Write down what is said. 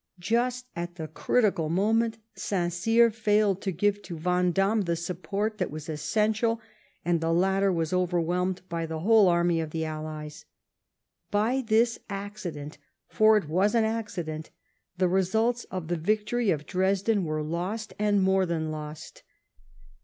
Just at the critical moment St. Cyr failed to give to Vandamme the support that was essential ; and the latter was overwhelmed by the whole army of the Allies. By this accident — for it was an accident — the results of the victory of Dresden were lost, and more than lost.